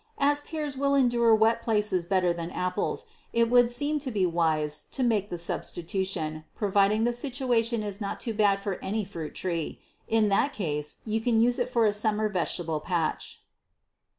As pears will endure wet places better than apples, it would seem to be wise to make the substitution, providing the situation is not too bad for any fruit tree. In that case you can use it for a summer vegetable patch.